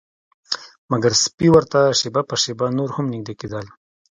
مګر سپي ورته شیبه په شیبه نور هم نږدې کیدل